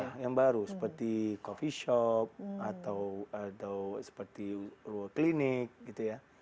iya yang baru seperti coffee shop atau seperti ruang klinik gitu ya